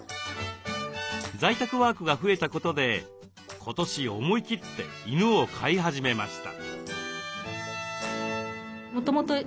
在宅ワークが増えたことで今年思い切って犬を飼い始めました。